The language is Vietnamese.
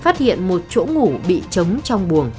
phát hiện một chỗ ngủ bị trống trong buồng